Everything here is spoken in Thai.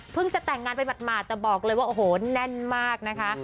พึ่งจะแต่งงานใหม่มาตลอดจะบอกเลยโอโหแน่นมากนะคะ